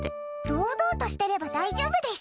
堂々としてれば大丈夫です。